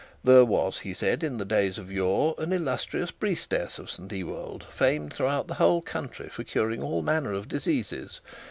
There was, he said, in days of yore, an illustrious priestess of St Ewold, famed through the whole country for curing all manner of diseases.